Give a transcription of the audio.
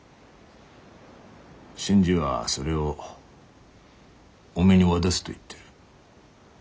新次はそれをおめえに渡すと言ってる。